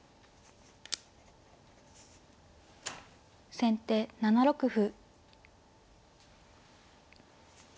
先手７六歩。